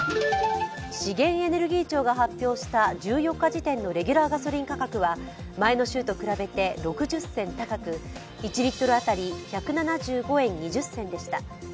資源エネルギー庁が発表した１４日時点のレギュラーガソリン価格は前の週と比べて６０銭高く、１リットル当たり１７５円２０銭でした。